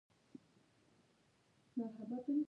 کابل د افغانستان د اقتصاد یوه خورا مهمه برخه ده.